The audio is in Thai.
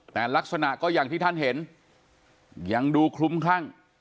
แต่ลักษณะก็อย่างที่ท่านเห็นยังดูคลุ้มคลั่ง